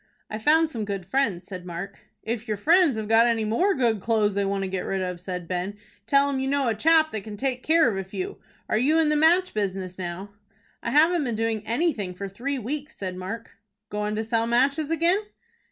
"I found some good friends," said Mark. "If your friends have got any more good clo'es they want to get rid of," said Ben, "tell 'em you know a chap that can take care of a few. Are you in the match business now?" "I haven't been doing anything for three weeks," said Mark. "Goin' to sell matches again?"